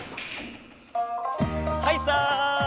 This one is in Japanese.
はいさい！